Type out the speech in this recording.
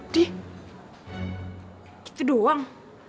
dih gitu doang